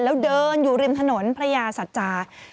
แล้วเดินอยู่ริมถนนพระยาสัจจา